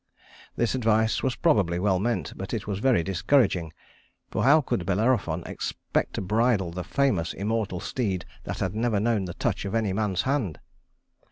This advice was probably well meant, but it was very discouraging; for how could Bellerophon expect to bridle the famous immortal steed that had never known the touch of any man's hand?